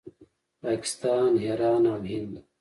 پاکستان، ایران او هند